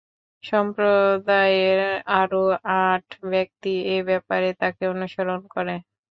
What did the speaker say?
সম্প্রদায়ের আরও আট ব্যক্তি এ ব্যাপারে তাকে অনুসরণ করে।